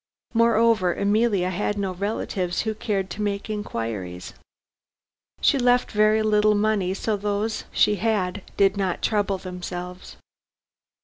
Moreover, Emilia had no relatives who cared to make inquiries. She left very little money, so those she had, did not trouble themselves."